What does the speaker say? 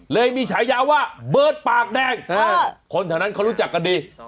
เลยมีฉายาว่าเบิร์ตปากแดงคนแถวนั้นเขารู้จักกันดี